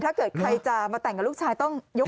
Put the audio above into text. ถ้าเกิดใครจะมาแต่งกับลูกชายต้องยก